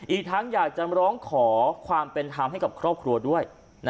อีกทั้งอยากจะร้องขอความเป็นธรรมให้กับครอบครัวด้วย